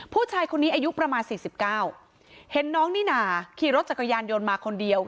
ผู้ชายคนนี้อายุประมาณ๔๙เห็นน้องนิน่าขี่รถจักรยานยนต์มาคนเดียว